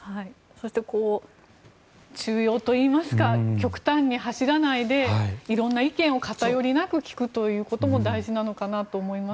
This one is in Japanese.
そして、中庸といいますか極端に走らないで色んな意見を偏りなく聞くことも大事なのかなと思います。